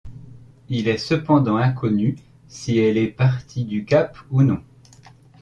Il est cependant inconnu si elle est partie du Cap ou non.